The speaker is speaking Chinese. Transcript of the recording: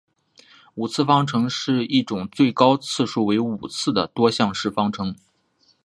五次方程是一种最高次数为五次的多项式方程。